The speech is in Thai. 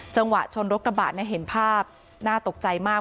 จังหวะชนรถกระบะเห็นภาพน่าตกใจมาก